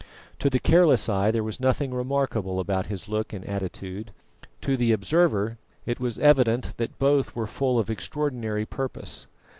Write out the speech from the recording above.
To the careless eye there was nothing remarkable about his look and attitude; to the observer it was evident that both were full of extraordinary purpose.